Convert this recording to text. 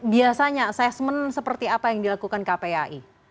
biasanya assessment seperti apa yang dilakukan kpai